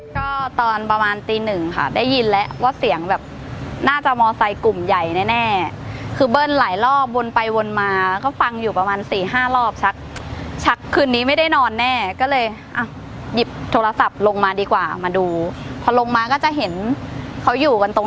ก็ตอนประมาณตีหนึ่งค่ะได้ยินแล้วว่าเสียงแบบน่าจะมอไซค์กลุ่มใหญ่แน่คือเบิ้ลหลายรอบวนไปวนมาก็ฟังอยู่ประมาณสี่ห้ารอบชักชักคืนนี้ไม่ได้นอนแน่ก็เลยอ่ะหยิบโทรศัพท์ลงมาดีกว่ามาดูพอลงมาก็จะเห็นเขาอยู่กันตรง